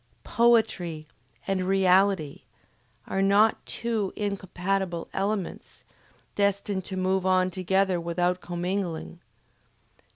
POETRY and REALITY are not two incompatible elements, destined to move on together without commingling.